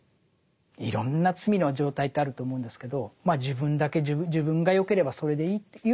いろんな罪の状態ってあると思うんですけど自分だけ自分がよければそれでいいっていうのも罪でしょうね。